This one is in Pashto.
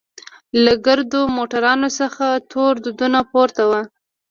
له ګردو موټرانوڅخه تور دودونه پورته وو.